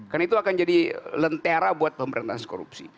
karena itu akan jadi lentera buat pemberantasan korupsi